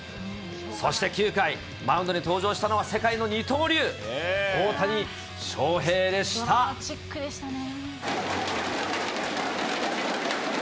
そして９回、マウンドに登場したのは、世界の二刀流、ドラマチックでしたね。